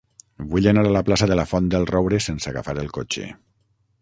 Vull anar a la plaça de la Font del Roure sense agafar el cotxe.